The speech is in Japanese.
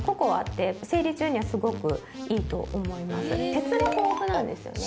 鉄が豊富なんですよね。